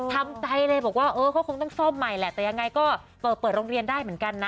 ทำใจเลยบอกว่าเออเขาคงต้องซ่อมใหม่แหละแต่ยังไงก็เปิดเปิดโรงเรียนได้เหมือนกันนะ